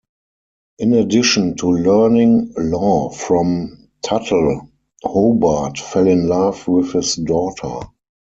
In addition to learning law from Tuttle, Hobart fell in love with his daughter.